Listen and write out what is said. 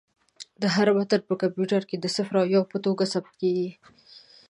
هر متن په کمپیوټر کې د صفر او یو په توګه ثبت کېږي.